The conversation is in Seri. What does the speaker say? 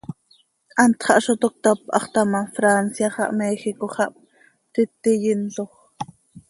Hant xah zo toc cötap hax ta ma, Francia xah Méjico xah ptiti yinloj.